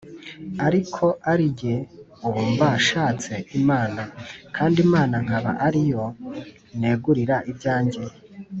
“ariko ari jye ubu mba nshatse imana, kandi imana nkaba ari yo negurira ibyanjye